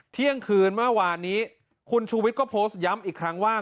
เที่ยงคืนเมื่อวานนี้คุณชูวิทย์ก็โพสต์ย้ำอีกครั้งว่า